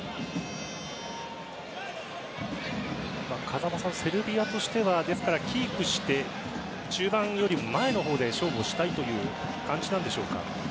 風間さん、セルビアとしてはキープして中盤よりも前のほうで勝負したいという感じでしょうか。